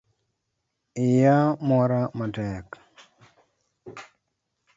Iya mwora matek.